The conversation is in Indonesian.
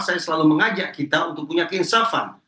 saya selalu mengajak kita untuk punya keinsafan